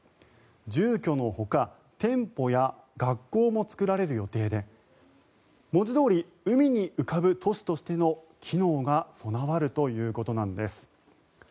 住居のほか店舗や学校も作られる予定で文字どおり海に浮かぶ都市としての機能が備わるということです。